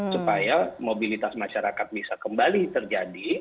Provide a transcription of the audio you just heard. supaya mobilitas masyarakat bisa kembali terjadi